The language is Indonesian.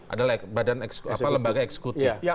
adalah lembaga eksekutif